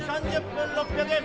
３０分６００円！